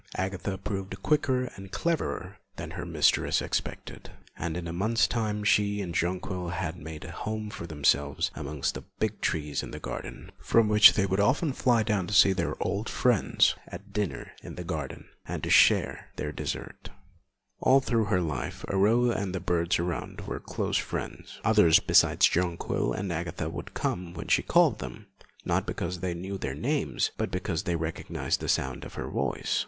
Agatha proved quicker and cleverer than her mistress expected, and in a month's time she and Jonquil had made a home for themselves amongst the big trees in the garden, from which they would often fly down to see their old friends at dinner in the garden, and to share their dessert. All through her life Aurore and the birds around were close friends; others besides Jonquil and Agatha would come when she called them, not because they knew their names, but because they recognised the sound of her voice.